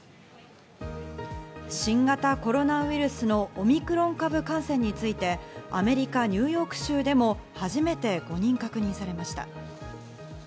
新型コロナウイルスのオミクロン株の感染について、アメリカ・ニューヨーク州でも初めて５人確認されました。